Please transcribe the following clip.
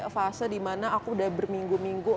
fase dimana aku udah berminggu minggu